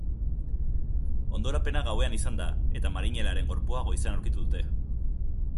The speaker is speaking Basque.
Hondorapena gauean izan da, eta marinelaren gorpua goizean aurkitu dute.